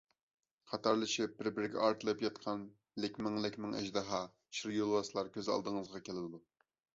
قاتارلىشىپ بىر-بىرگە ئارتىلىپ ياتقان لەكمىڭ-لەكمىڭ ئەجدىھا، شىر، يولۋاسلار كۆز ئالدىڭىزغا كېلىدۇ.